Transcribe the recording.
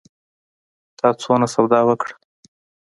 تا څونه سودا وکړه؟